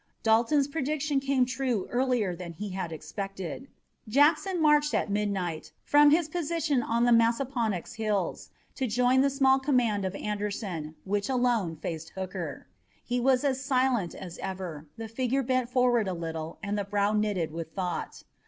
Dalton's prediction came true earlier than he had expected. Jackson marched at midnight from his position on the Massaponnax Hills to join the small command of Anderson, which alone faced Hooker. He was as silent as ever, the figure bent forward a little and the brow knitted with thought.